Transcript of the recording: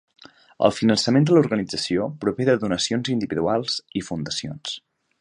El finançament de l'organització prové de donacions individuals i fundacions.